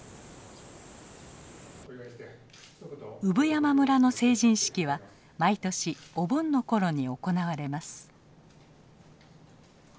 産山村の成人式は毎年お盆の頃に行われます。